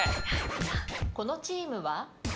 このチームは？